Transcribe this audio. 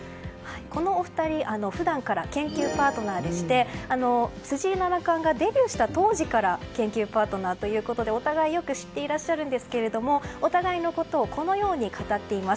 このお二人普段から研究パートナーでして藤井七冠がデビューした当時から研究パートナーということでお互い、よく知っていらっしゃるんですけれどもお互いのことをこのように語っています。